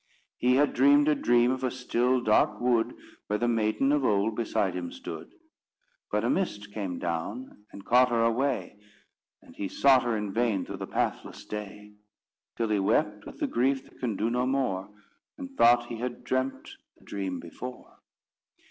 He had dreamed a dream of a still, dark wood, Where the maiden of old beside him stood; But a mist came down, and caught her away, And he sought her in vain through the pathless day, Till he wept with the grief that can do no more, And thought he had dreamt the dream before.